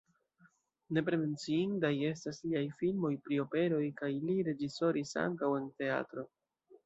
Nepre menciindaj estas liaj filmoj pri operoj kaj li reĝisoris ankaŭ en teatro.